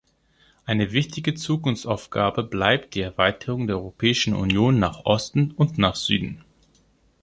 Eine wichtige Zukunftsaufgabe bleibt die Erweiterung der Europäischen Union nach Osten und nach Süden.